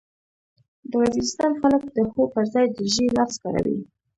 د وزيرستان خلک د هو پرځای د ژې لفظ کاروي.